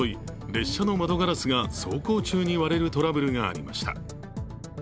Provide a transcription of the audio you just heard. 列車の窓ガラスが走行中に割れるトラブルがありました。